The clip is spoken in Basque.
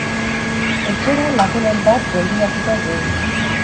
Etxera lagunen bat gonbidatuko du.